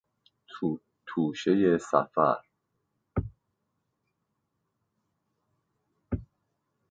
توشهی سفر